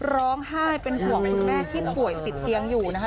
ร้องไห้เป็นห่วงคุณแม่ที่ป่วยติดเตียงอยู่นะคะ